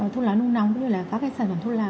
thuốc lá nung nóng cũng như là các cái sản phẩm thuốc lá